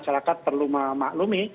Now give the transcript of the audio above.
masyarakat perlu memaklumi